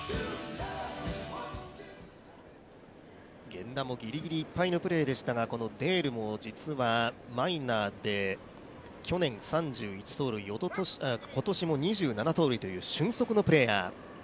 源田もぎりぎりいっぱいのプレーでしたが、デールも実はマイナーで去年、３１盗塁今年も２７盗塁という俊足のプレーヤー。